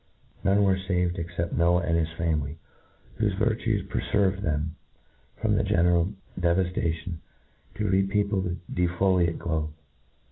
None were faved except Noah and his family, whofe virtues preferved them from the general devaftation, to repeople the de folate globe.